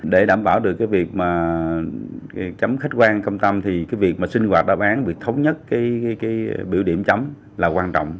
để đảm bảo được việc chấm khách quan công tâm thì việc sinh hoạt đáp án việc thống nhất biểu điểm chấm là quan trọng